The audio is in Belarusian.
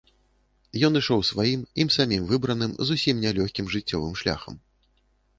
Ён ішоў сваім, ім самім выбраным, зусім не лёгкім жыццёвым шляхам.